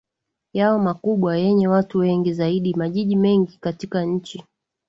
yao makubwa yenye watu wengi zaidi Majiji mengi katika nchi